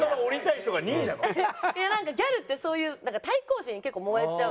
いやなんかギャルってそういう対抗心に結構燃えちゃう。